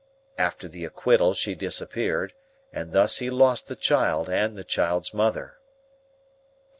After the acquittal she disappeared, and thus he lost the child and the child's mother."